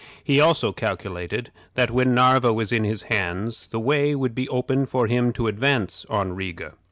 He also calculated that when Narva was in his hands the way would be open for him to advance on Riga.